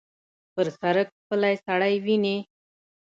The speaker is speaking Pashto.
پر سړک پلی سړی وینې.